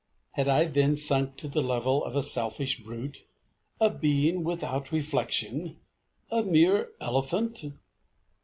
Had I then sunk to the level of a selfish brute a being without reflection a mere elephant?